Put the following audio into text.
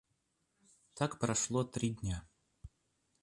Так прошло три дня.